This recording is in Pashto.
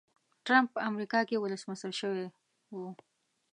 ټرمپ په امریکا کې ولسمشر شوی و.